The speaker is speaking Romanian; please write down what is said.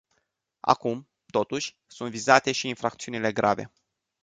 Acum, totuși, sunt vizate și infracțiunile grave.